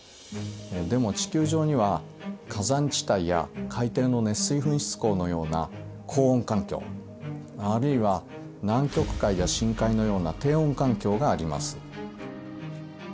でも地球上には火山地帯や海底の熱水噴出孔のような高温環境あるいは南極海や深海のような低温環境があります。